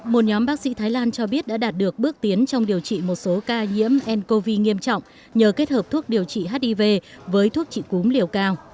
một nhóm bác sĩ thái lan cho biết đã đạt được bước tiến trong điều trị một số ca nhiễm ncov nghiêm trọng nhờ kết hợp thuốc điều trị hiv với thuốc trị cúm liều cao